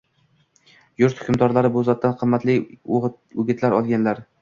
Yurt hukmdorlari bu zotdan qimmatli o‘gitlar olganlar.